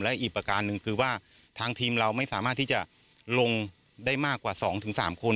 และอีกประการหนึ่งคือว่าทางทีมเราไม่สามารถที่จะลงได้มากกว่า๒๓คน